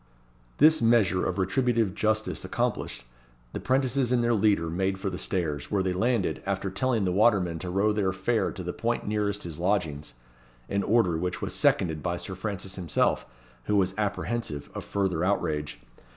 This measure of retributive justice accomplished, the 'prentices and their leader made for the stairs, where they landed, after telling the watermen to row their fare to the point nearest his lodgings; an order which was seconded by Sir Francis himself, who was apprehensive of further outrage.